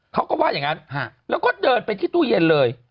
เขาก็ว่าอย่างนั้นแล้วก็เดินไปที่ตู้เย็นเลย